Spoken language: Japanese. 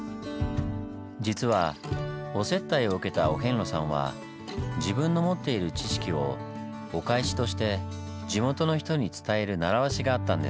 実はお接待を受けたお遍路さんは自分の持っている知識をお返しとして地元の人に伝える習わしがあったんです。